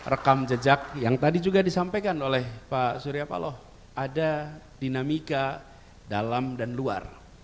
rekam jejak yang tadi juga disampaikan oleh pak surya paloh ada dinamika dalam dan luar